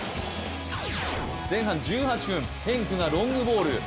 前半１８分、ヘンクがロングボール。